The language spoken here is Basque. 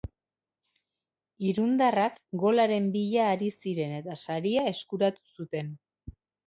Irundarrak golaren bila ari ziren eta saria eskuratu zuten.